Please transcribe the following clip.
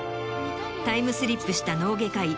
タイムスリップした脳外科医